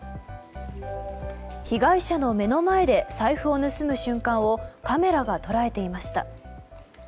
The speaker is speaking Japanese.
被害者の目の前で財布を盗む瞬間をカメラが捉えていました。